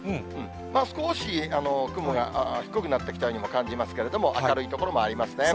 少し雲が低くなってきたようにも感じますけれども、明るい所もありますね。